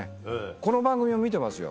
この番組も見てますよ。